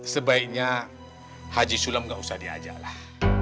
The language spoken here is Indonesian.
sebaiknya haji sulam gak usah diajak lah